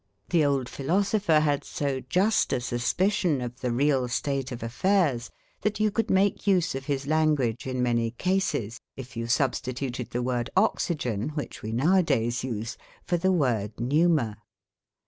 The old philosopher had so just a suspicion of the real state of affairs that you could make use of his language in many cases, if you substituted the word "oxygen," which we now a days use, for the word 'pneuma'.